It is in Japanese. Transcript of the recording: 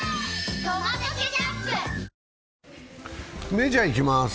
メジャーいきます。